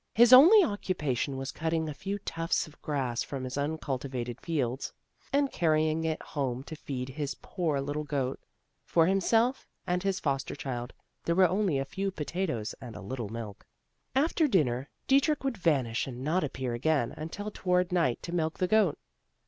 His only occupation was cutting a few tufts of grass from his uncul tivated fields, and carrying it home to feed his poor little goat; for himself and his foster child there were only a few potatoes and a little milk. After dinner Dietrich would vanish and not appear again until toward night to milk the goat.